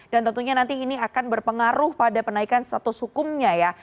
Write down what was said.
dan tentunya nanti ini akan berpengaruh pada penaikan status hukumnya ya